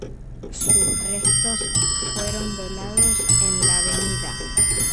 Sus restos fueron velados en la Av.